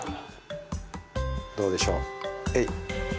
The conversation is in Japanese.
どうでしょうえい。